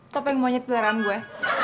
topeng monyet pelaran gue